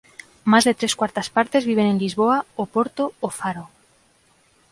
Más de tres cuartas partes viven en Lisboa, Oporto, o Faro.